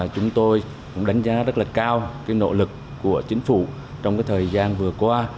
chúng tôi cũng đánh giá rất là cao nỗ lực của chính phủ trong thời gian vừa qua